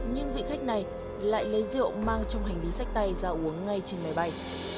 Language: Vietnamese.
nhưng vị khách này lại lấy rượu mang trong hành lý sách tay ra uống ngay trên máy bay